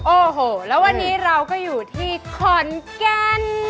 โอ้โหแล้ววันนี้เราก็อยู่ที่ขอนแก่น